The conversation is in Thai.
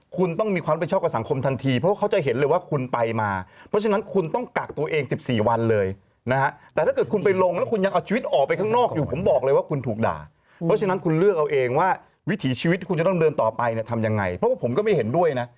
คุณจะต้องเดินต่อไปทำยังไงเพราะว่าผมก็ไม่เห็นด้วยนะ